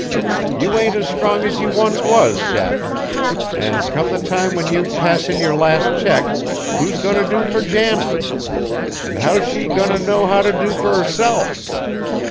You ain't as strong as you once was, Cap'n, an' come the time when you pass in your last check, who's goin' t' do for Janet? An' how's she goin' t' know how t' do fur herself?